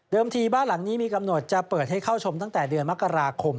ทีบ้านหลังนี้มีกำหนดจะเปิดให้เข้าชมตั้งแต่เดือนมกราคม